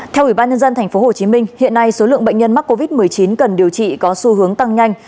theo ủy ban nhân dân tp hcm hiện nay số lượng bệnh nhân mắc covid một mươi chín cần điều trị có xu hướng tăng nhanh